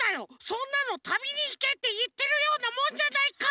そんなの「旅にいけ」っていってるようなもんじゃないか！